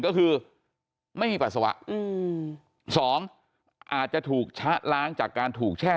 ก็คือไม่มีปัสสาวะสองอาจจะถูกชะล้างจากการถูกแช่